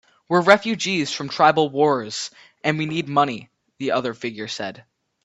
"We're refugees from the tribal wars, and we need money," the other figure said.